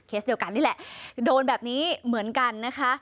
เดียวกันนี่แหละโดนแบบนี้เหมือนกันนะคะ